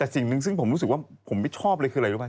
สิ่งที่นึงผมไม่ชอบเลยคืออะไร